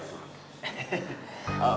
gak apa apa ya